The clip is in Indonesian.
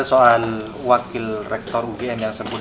soal wakil rektor ugm yang sebut